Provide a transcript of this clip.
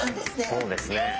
そうですねはい。